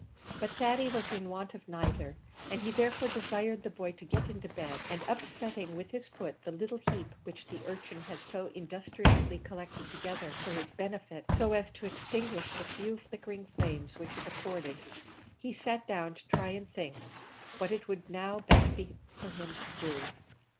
But Thady was in want of neither, and he therefore desired the boy to get into bed, and upsetting with his foot the little heap which the urchin had so industriously collected together for his benefit, so as to extinguish the few flickering flames which it afforded, he sat down to try and think what it would now be best for him to do.